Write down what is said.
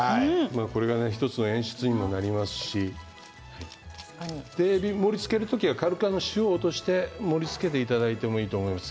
これが１つの演出にもなりますしえびを盛りつける時は軽く塩を落として盛りつけてもらっていいと思います